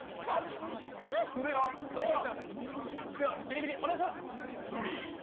ビリビリお願いします。